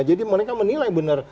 jadi mereka menilai benar